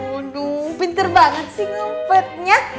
aduh pinter banget sih numpetnya